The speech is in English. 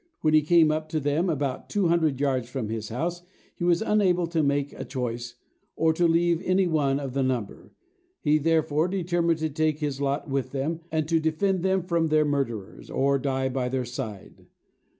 When he came up to them, about two hundred yards from his house, he was unable to make a choice, or to leave any one of the number. He therefore determined to take his lot with them, and to defend them from their murderers, or die by their side.